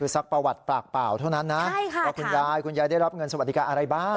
สักประวัติปากเปล่าเท่านั้นนะว่าคุณยายคุณยายได้รับเงินสวัสดิการอะไรบ้าง